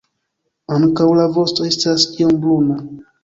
Ankaŭ la vosto estas iom bruna.